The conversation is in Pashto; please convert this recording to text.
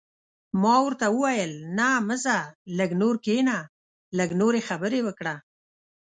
ما ورته وویل: نه، مه ځه، لږ نور کښېنه، لږ نورې خبرې وکړه.